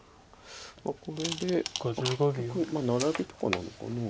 これで結局ナラビとかなのかな。